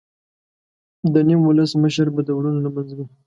د نیم ولس مشر به د ورونو له منځه وي.